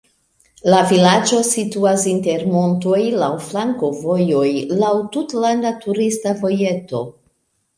La vilaĝo situas inter montoj, laŭ flankovojoj, laŭ tutlanda turista vojeto.